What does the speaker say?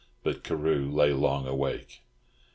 But Carew lay long awake.